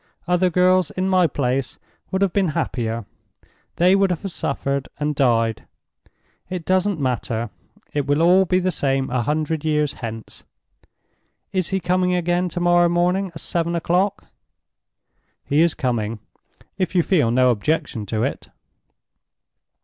Other girls in my place would have been happier—they would have suffered, and died. It doesn't matter; it will be all the same a hundred years hence. Is he coming again tomorrow morning at seven o'clock?" "He is coming, if you feel no objection to it."